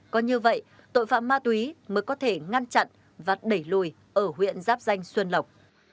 có như vậy tội phạm ma túy mới có thể ngăn chặn và đẩy lùi ở huyện giáp danh xuân lộc